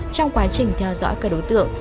trong quá trình theo dõi các đối tượng